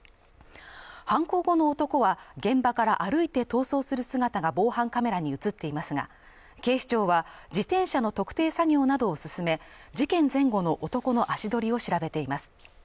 犯行後の男は現場から歩いて逃走する姿が防犯カメラに映っていますが警視庁は自転車の特定作業などを進め事件前後の男の足取りを調べています